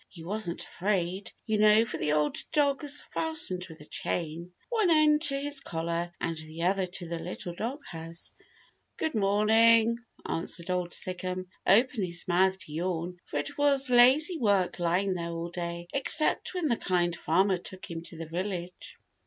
He wasn't afraid, you know, for the old dog was fastened with a chain, one end to his collar and the other to the little dog house. "Good morning," answered Old Sic'em, opening his mouth to yawn, for it was lazy work lying there all day, except when the Kind Farmer took him to the village.